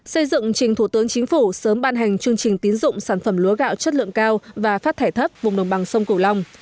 xây dựng trình thủ tướng chính phủ sớm ban hành chương trình tín dụng sản phẩm lúa gạo chất lượng cao và phát thải thấp vùng đồng bằng sông cửu long